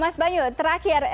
mas banyu terakhir